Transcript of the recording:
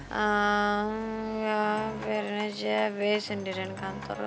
hmm ya biarin aja be sendirian kantor